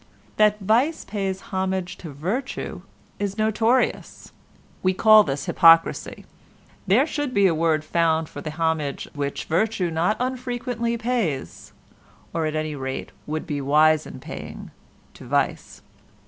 That vice pays homage to virtue is notorious; we call this hypocrisy; there should be a word found for the homage which virtue not unfrequently pays, or at any rate would be wise in paying, to vice.